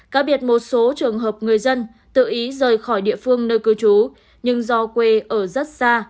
cá biệt một số trường hợp người dân tự ý rời khỏi địa phương nơi cư trú nhưng do quê ở rất xa